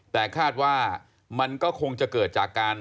แต่คาดว่ามันก็คงจะเกิดจากการ